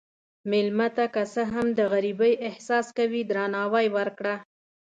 مېلمه ته که څه هم د غریبۍ احساس کوي، درناوی ورکړه.